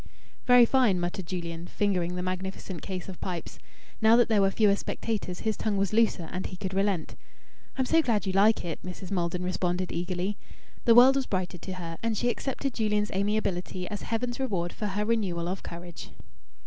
"Very fine!" muttered Julian, fingering the magnificent case of pipes. Now that there were fewer spectators, his tongue was looser, and he could relent. "I'm so glad you like it," Mrs. Maldon responded eagerly. The world was brighter to her, and she accepted Julian's amiability as Heaven's reward for her renewal of courage.